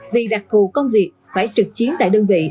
vì đặc thù công việc phải trực chiến tại đơn vị